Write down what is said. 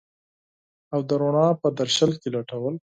او د رڼا په درشل کي لټول